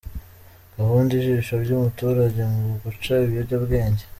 Gahunda Ijisho ry’umuturanyi mu guca ibiyobyabwenge